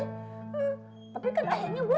tapi kan akhirnya gue